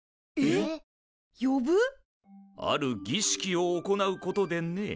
あるぎしきを行うことでね。